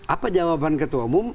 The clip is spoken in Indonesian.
apa jawaban ketua umum